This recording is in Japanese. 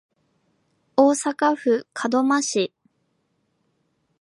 大阪府門真市